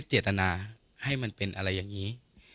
เจตนาให้มันเป็นอะไรอย่างนี้